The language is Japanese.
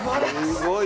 すごい。